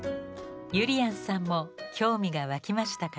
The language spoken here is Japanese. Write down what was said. ゆりやんさんも興味が湧きましたか？